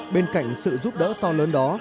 bên cạnh sự giúp đỡ to lớn đó